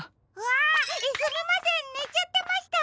あっすみませんねちゃってました！